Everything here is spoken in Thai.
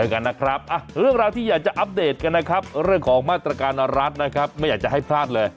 กันนะครับเรื่องราวที่อยากจะอัปเดตกันนะครับเรื่องของมาตรการรัฐนะครับไม่อยากจะให้พลาดเลย